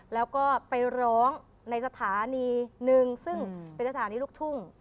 แล้วก็ไปร้องในสถานีหนึ่งซึ่งเป็นสถานีลูกทุ่ง